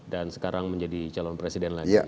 dan sekarang menjadi calon presiden lagi